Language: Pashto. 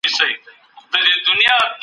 ځوانان به په ډېرو ناويلو پېښو خبر سي.